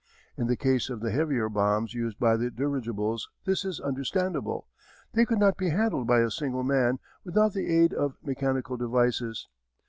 In the case of the heavier bombs used by the dirigibles this is understandable. They could not be handled by a single man without the aid of mechanical devices.